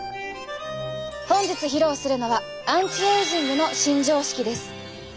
本日披露するのはアンチエイジングの新常識です。